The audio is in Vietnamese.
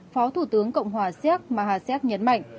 phó thủ tướng cộng hòa siếc hamasek nhấn mạnh